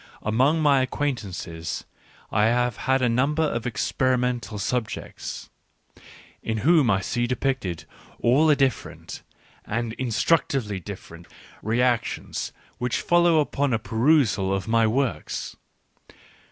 Among my acquaintances I have a number of experimental subjects, in whom I see depicted all the different, and instructively different, reactions which follow upon a perusal of my works.